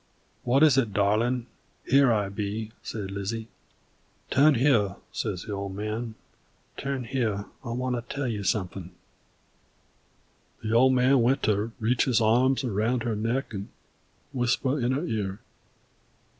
"What is it, darlin'? Here I be," says Lizzie. "Tum here," says the Old Man, "tum here; I wanter tell you sumfin'." The Old Man went to reach his arms around her neck 'nd whisper in her ear.